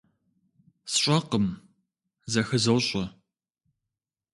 СщӀэкъым, зэхызощӀэ.